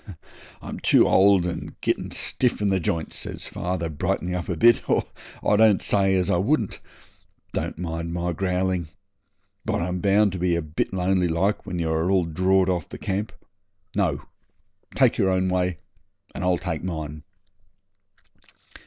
'I'm too old and getting stiff in the j'ints,' says dad, brightening up a bit, 'or I don't say as I wouldn't. Don't mind my growling. But I'm bound to be a bit lonely like when you are all drawed off the camp. No! take your own way and I'll take mine.'